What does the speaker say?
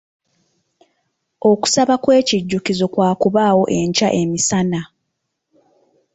Okusaba kw'ekijjukizo kwa kubaawo enkya emisana.